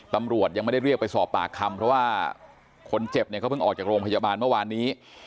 ตำรวจยังไม่ได้เรียกไปสอบปากคำเพราะว่าคนเจ็บเนี่ยเขาเพิ่งออกจากโรงพยาบาลเมื่อวานนี้